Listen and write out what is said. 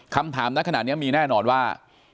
คำถามนั้นขนาดนี้มีแน่นอนว่า